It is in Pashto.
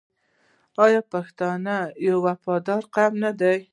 آیا پښتون یو وفادار قوم نه دی؟